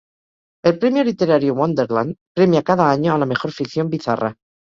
El premio literario Wonderland premia cada año a la mejor ficción bizarra.